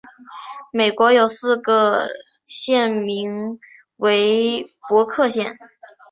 美国有四个县名为伯克县。